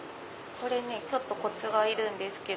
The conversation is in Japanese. ちょっとコツがいるんですけど。